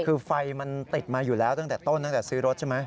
คือไฟมันติดมาอยู่แล้วตั้งแต่ต้นตั้งแต่ซื้อรถใช่ไหม